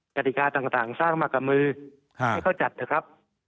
กฎิกาต่างสร้างมากับมือให้เขาจัดเถอะครับ